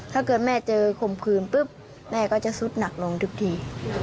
ถ้าเกิดแม่เจอข่มขืนปุ๊บแม่ก็จะสุดหนักลงทุกที